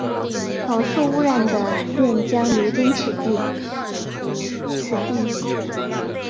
饱受污染的练江流经此地。